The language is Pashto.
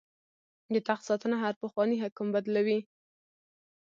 د تخت ساتنه هر پخوانی حکم بدلوي.